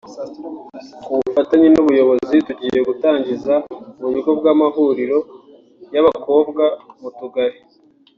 “Ku bufatanye n’ubuyobozi tugiye gutangiza uburyo bw’amahuriro y’abakobwa mu Tugari